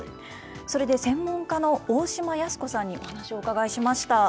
それで専門家の大嶋寧子さんにお話をお伺いしました。